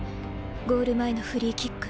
ゴール前のフリーキック。